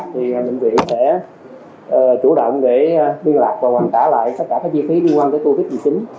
thì bệnh viện sẽ chủ động để liên lạc và hoàn trả lại tất cả các chi phí liên quan tới covid một mươi chín